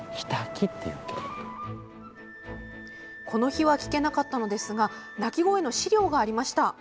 この日は聞けなかったのですが鳴き声の資料がありました。